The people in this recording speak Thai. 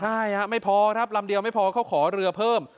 ใช่ไม่พอครับลำเดียวไม่พอเขาขอเรือเพิ่ม